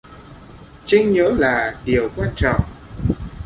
Chinh nhớ là điều quan trọng